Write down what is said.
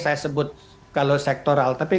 saya sebut kalau sektoral tapi